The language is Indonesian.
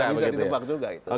gak bisa ditebak juga